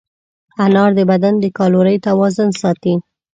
انار د بدن د کالورۍ توازن ساتي.